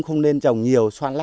không nên trồng nhiều xoan lát